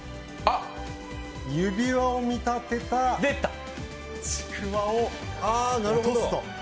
指輪を見立てたちくわを足すと。